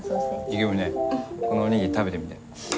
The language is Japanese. ユキムネこのおにぎり食べてみて。